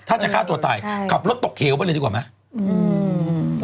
ถ้าจะฆ่าตัวตายขับรถตกเหวไปเลยดีกว่าไหมอืม